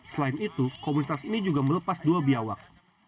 selain itu komunitas ini juga melepas dua biawak